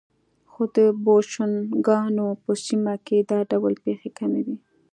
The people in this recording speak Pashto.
خو د بوشنګانو په سیمه کې دا ډول پېښې کمې وې.